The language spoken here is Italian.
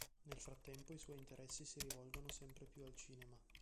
Nel frattempo i suoi interessi si rivolgono sempre più al cinema.